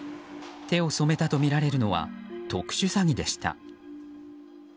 手を染めたとみられるのは特殊詐欺でした。